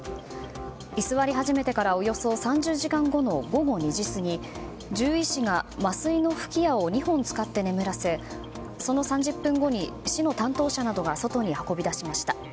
居座り始めてからおよそ３０時間後の午後２時過ぎ獣医師が麻酔の吹き矢を２本使って眠らせその３０分後に市の担当者などが外に運び出しました。